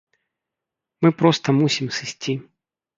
Мы проста мусім сысці.